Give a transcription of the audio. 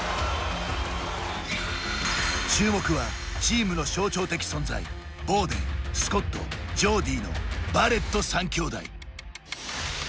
注目は、チームの象徴的存在ボーデン、スコットジョーディーのバレット３兄弟。